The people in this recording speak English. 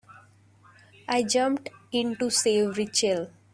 I jumped in to save Rachel.